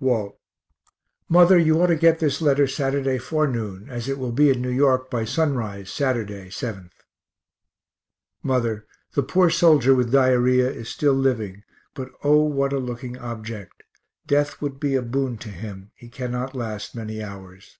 WALT. Mother, you ought to get this letter Saturday forenoon, as it will be in N. Y. by sunrise Saturday, 7th. Mother, the poor soldier with diarrhoea is still living, but, O, what a looking object; death would be a boon to him; he cannot last many hours.